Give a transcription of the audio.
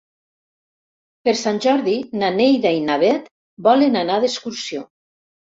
Per Sant Jordi na Neida i na Bet volen anar d'excursió.